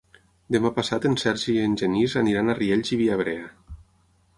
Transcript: Demà passat en Sergi i en Genís aniran a Riells i Viabrea.